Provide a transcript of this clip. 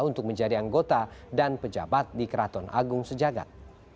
untuk menjadi anggota dan pejabat di keraton agung sejagat